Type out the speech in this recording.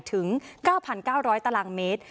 ถึง๙๙๐๐ตารางเมตร